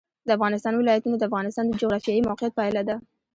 د افغانستان ولايتونه د افغانستان د جغرافیایي موقیعت پایله ده.